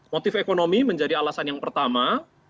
motif ekonomi menjadi alasan yang pertama